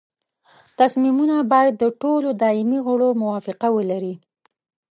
تصمیمونه باید د ټولو دایمي غړو موافقه ولري.